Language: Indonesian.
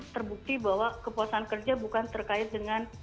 terbukti bahwa kepuasan kerja bukan terkait dengan